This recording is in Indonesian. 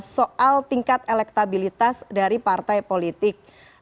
soal tingkat elektabilitas dari partai politik